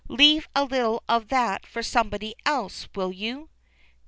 leave a little of that for somebody else, will you?"